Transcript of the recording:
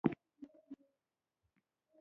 امپراتور خلکو ته وړیا ډوډۍ ورکوله.